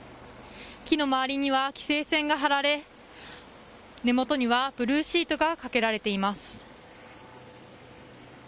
木の周りには規制線が張られ根元にはブルーシートがかけられています。